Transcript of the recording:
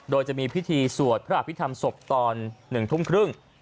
โดยจะมีพิธีสวดพระอภิษฐรรมศพตอน๑ทุ่มครึ่ง